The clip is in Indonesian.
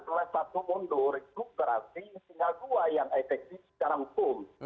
setelah satu mundur itu berarti tinggal dua yang efektif secara hukum